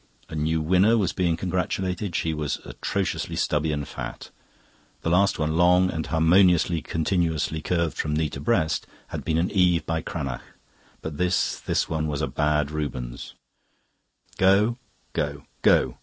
A new winner was being congratulated. She was atrociously stubby and fat. The last one, long and harmoniously, continuously curved from knee to breast, had been an Eve by Cranach; but this, this one was a bad Rubens. "...go go go!"